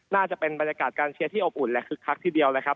น่าจะเป็นบรรยากาศการเชียร์ที่อบอุ่นและคึกคักทีเดียวนะครับ